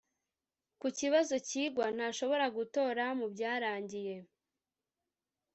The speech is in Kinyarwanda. ku kibazo cyigwa ntashobora gutora mu byarangiye